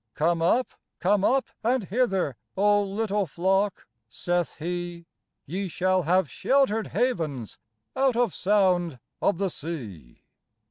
Come up, come up and hither, little flock, saith He, Ye shall have sheltered havens out of sound of the sea.